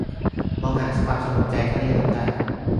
มองหาความสงบใจเท่าที่จะทำได้